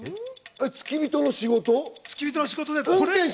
付き人の仕事？